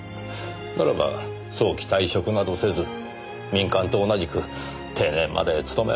ならば早期退職などせず民間と同じく定年まで勤め上げれば済む話です。